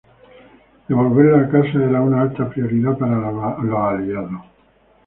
Devolverlos a casa era una alta prioridad para los Aliados.